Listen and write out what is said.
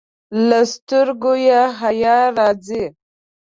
له سترګو یې حیا راځي.